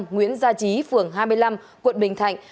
nguyễn gia trí phường hai mươi năm quận bình thạnh